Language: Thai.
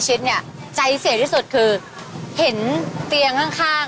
ที่เสียครับใช่ไหมครับใช่ไหมครับใช่ไหมครับใช่ไหมครับใช่ไหมครับ